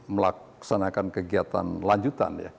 melaksanakan kegiatan lanjutan